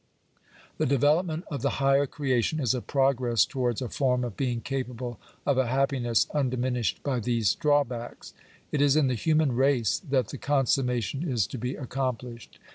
The development of the higher creation is a progress towards a form of being capable of a happiness undiminished by these drawbacks. It is in the human race that the consummation is to be accomplished.